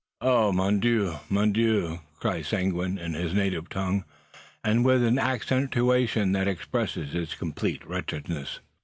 "Oh! mon Dieu! mon Dieu!" cries Seguin, in his native tongue, and with an accentuation that expresses his complete wretchedness.